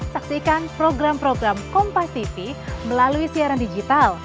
saksikan program program kompas tv melalui siaran digital